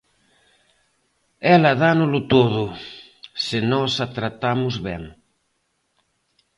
Ela dánolo todo, se nós a tratamos ben.